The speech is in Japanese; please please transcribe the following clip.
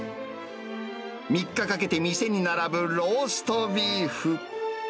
３日かけて店に並ぶローストビーフ。